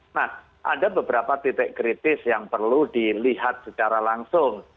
nah ada beberapa titik kritis yang perlu dilihat secara langsung